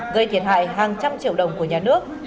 gây thiệt hại hàng trăm triệu đồng của nhà nước